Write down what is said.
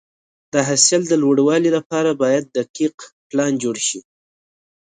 د حاصل د لوړوالي لپاره باید دقیق پلان جوړ شي.